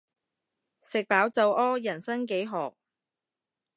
食飽就屙，人生幾何